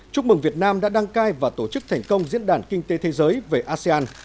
chúc mừng việt nam đã đăng cai và tổ chức thành công diễn đàn kinh tế thế giới về asean